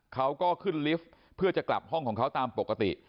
เขาก็ขึ้นลิฟต์เพื่อจะกลับห้องของเขาตามปกติ